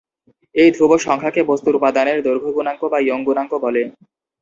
এই ধ্রুব সংখ্যাকে বস্তুর উপাদানের দৈর্ঘ্য গুণাঙ্ক বা ইয়ং গুণাঙ্ক বলে।